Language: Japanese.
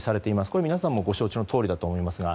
これは皆さんもご承知のとおりだと思いますが。